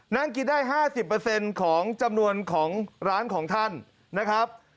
นั่งกินได้๕๐ของจำนวนของร้านของท่านนะครับ